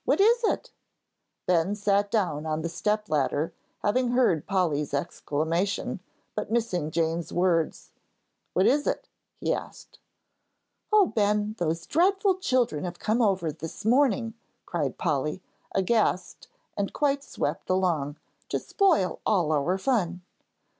"What is it?" Ben sat down on the step ladder, having heard Polly's exclamation, but missing Jane's words. "What is it?" he asked. "Oh, Ben, those dreadful children have come over this morning," cried Polly, aghast and quite swept along, "to spoil all our fun."